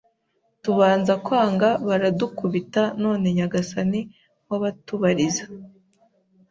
tubanza kwanga baradukubita none Nyagasani wabatubariza